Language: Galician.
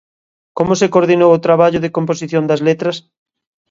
Como se coordinou o traballo de composición das letras?